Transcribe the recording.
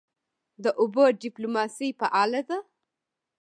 د اوبو ډیپلوماسي فعاله ده؟